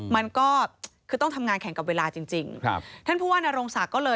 มันก็คือต้องทำงานแข่งกับเวลาจริง